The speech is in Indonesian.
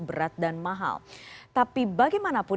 berat dan mahal tapi bagaimanapun